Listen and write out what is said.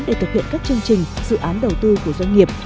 để thực hiện các chương trình dự án đầu tư của doanh nghiệp